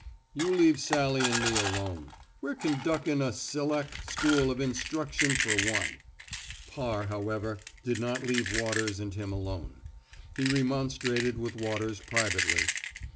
. You leave Sally an' me alone. We're con duckin' a selec' school of instruction fer one." Parr, however, did not leave Waters and him alone. He remonstrated with Waters privately.